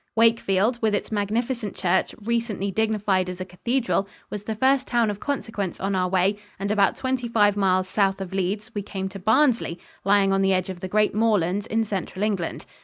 Wakefield, with its magnificent church, recently dignified as a cathedral, was the first town of consequence on our way, and about twenty five miles south of Leeds we came to Barnsley, lying on the edge of the great moorlands in central England.